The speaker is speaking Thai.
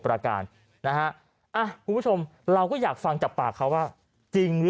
แต่ก่อนหน้านี้ที่เคยโดนของนี่เป็นยังไง